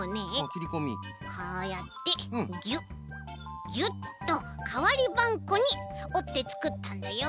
こうやってギュッギュッとかわりばんこにおってつくったんだよ。